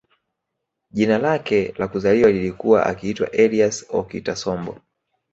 Jina lake la kuzaliwa lilikuwa akiitwa Elias OkitAsombo